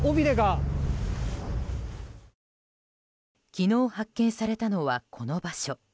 昨日、発見されたのはこの場所。